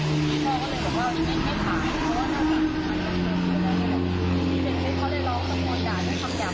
พี่พ่อก็เลยบอกว่าไม่ได้ขายเพราะว่านี่เป็นที่เขาได้รอบทั้งหมดจาก